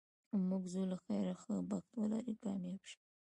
موږ ځو له خیره، ښه بخت ولرې، کامیاب شه.